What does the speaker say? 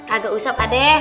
agak usap adek